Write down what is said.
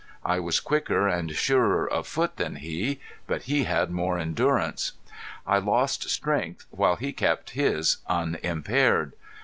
I was quicker and surer of foot than he, but he had more endurance. I lost strength while he kept his unimpaired.